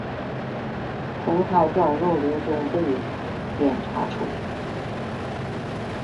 葡萄状肉瘤中被检查出。